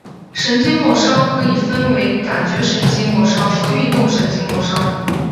神经末梢可以分为感觉神经末梢和运动神经末梢。